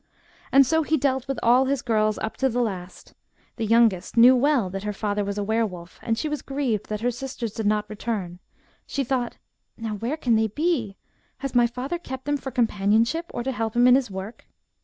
And so he dealt with all his girls up to the last. The youngest knew well that her father was a were wolf, and she was grieved that her sisters did not return ; she thought, *Now where can they be? Has my father kept them for companionship ; or to help him in his work?'